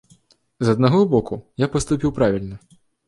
З аднаго боку, я паступіў правільна.